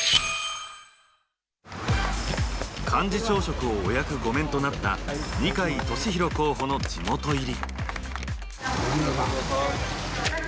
幹事長職をお役御免となった二階俊博候補の地元入り。